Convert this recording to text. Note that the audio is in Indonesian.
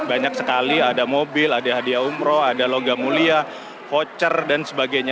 banyak sekali ada mobil ada hadiah umroh ada logam mulia voucher dan sebagainya